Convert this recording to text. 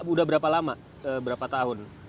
udah berapa lama berapa tahun